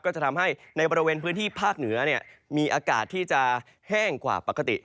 จะทำให้ในบริเวณพื้นที่ภาคเหนือมีอากาศที่จะแห้งกว่าปกติ